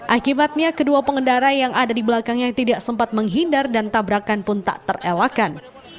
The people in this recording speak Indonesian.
akibatnya kedua pengendara yang ada di belakangnya tidak sempat menghindar dan tabrakan pun tak terelakkan